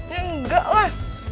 ya enggak lah